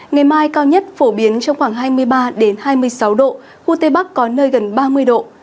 ngày mai cao nhất phổ biến trong khoảng hai mươi ba hai mươi sáu độ khu tây bắc có nơi gần ba mươi độ